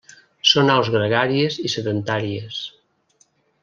Són aus gregàries i sedentàries.